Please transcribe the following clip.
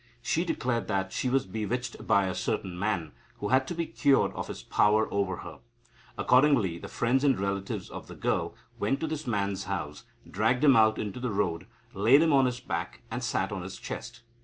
She declared that she was bewitched by a certain man, who had to be cured of his power over her. Accordingly, the friends and relatives of the girl went to this man's house, dragged him out into the road, laid him on his back, and sat on his chest.